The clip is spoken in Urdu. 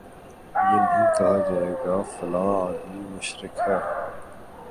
یہ نہیں کہا جائے گا فلاں آدمی مشرک ہے